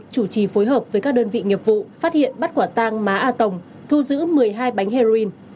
chủ trì phối hợp với các đơn vị nghiệp vụ phát hiện bắt quả tang má a tổng thu giữ một mươi hai bánh heroin